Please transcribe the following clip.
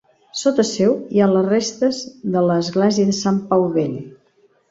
Sota seu hi ha les restes de l'església de Sant Pau Vell.